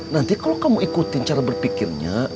nanti kalau kamu ikutin cara berpikirnya